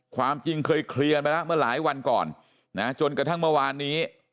ความจริงเคยเคลียร์กันไปแล้วเมื่อหลายวันก่อนนะจนกระทั่งเมื่อวานนี้